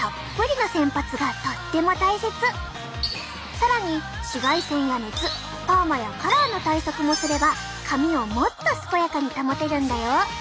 更に紫外線や熱パーマやカラーの対策もすれば髪をもっと健やかに保てるんだよ。